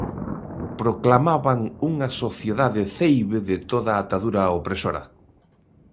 Proclamaban unha sociedade ceibe de toda atadura opresora.